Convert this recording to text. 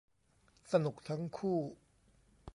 สนุกทั้งคู่